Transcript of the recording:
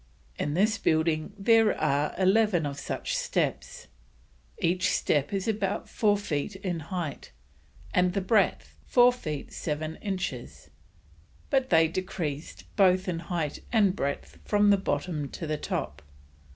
In this building there are 11 of such steps; each step is about 4 feet in height, and the breadth 4 feet 7 inches, but they decreased both in height and breadth from the bottom to the Top.